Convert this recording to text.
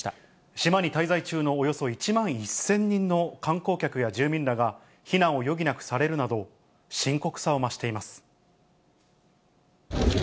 島に滞在中のおよそ１万１０００人の観光客や住民らが避難を余儀なくされるなど、深刻さを増しています。